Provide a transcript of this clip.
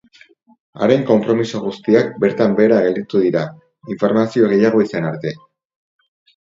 Haren konpromiso guztiak bertan behera gelditu dira, informazio gehiago izan arte.